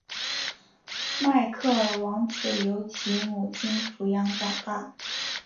迈克尔王子由其母亲抚养长大。